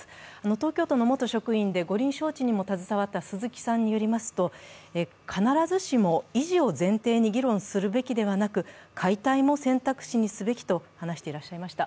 東京都の元職員で五輪招致にも携わった鈴木さんによりますと、必ずしも維持を前提に議論するべきではなく、解体も選択肢にするべきと話していらっしゃいました。